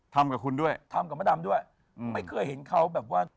ทำกับคุณด้วยทำกับมดดำด้วยไม่เคยเห็นเขาแบบว่า